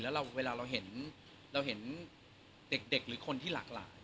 แล้วเวลาเราเห็นเราเห็นเด็กหรือคนที่หลากหลาย